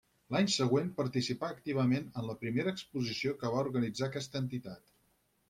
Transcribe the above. L'any següent participà activament en la primera exposició que va organitzar aquesta entitat.